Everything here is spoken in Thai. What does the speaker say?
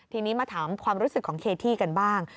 ทีนี้มาถามความรู้สึกของเคที่กันบ้าง